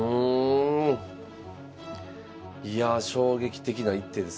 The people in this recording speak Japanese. いや衝撃的な一手ですね